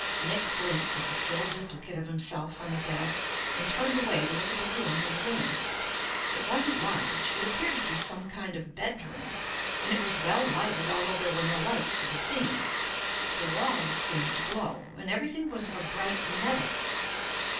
Nick blinked at the still duplicate of himself on the bed and turned away to look at the room he was in. It wasn't large. It appeared to be some kind of bedroom, and it was well lighted although there were no lights to be seen; the walls seemed to glow, and everything was of a bright metal.